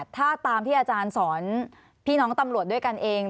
ถ้าตามที่อาจารย์สอนพี่น้องตำรวจด้วยกันเอง